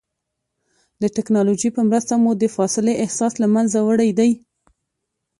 د ټکنالوجۍ په مرسته مو د فاصلې احساس له منځه وړی دی.